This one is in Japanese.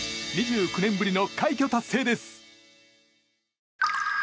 ２９年ぶりの快挙達成です。